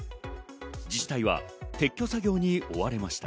自治体は撤去作業に追われました。